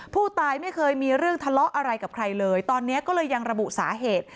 ผู้ตายไม่เคยมีเรื่องทะเลาะอะไรกับใครเลยตอนนี้ก็เลยยังระบุสาเหตุ